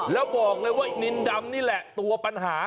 แล้วบอกเลยว่านินดำนี่แหละตัวปัญหา